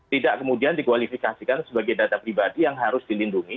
tidak kemudian dikualifikasikan sebagai data pribadi yang harus dilindungi